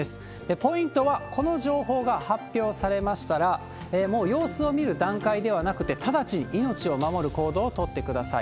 ポイントはこの情報が発表されましたら、もう様子を見る段階ではなくて、直ちに命を守る行動を取ってください。